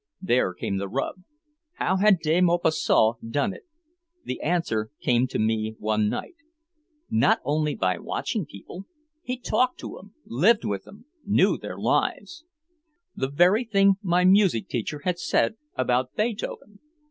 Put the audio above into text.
There came the rub. How had De Maupassant done it? The answer came to me one night: "Not only by watching people. He talked to 'em, lived with 'em, knew their lives!" The very thing my music teacher had said about Beethoven.